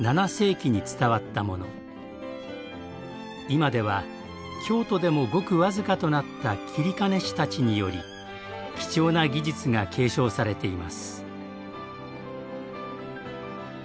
今では京都でもごく僅かとなった截金師たちにより貴重な技術が継承されています。